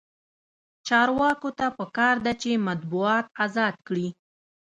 چارواکو ته پکار ده چې، مطبوعات ازاد کړي.